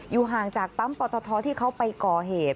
ห่างจากปั๊มปตทที่เขาไปก่อเหตุ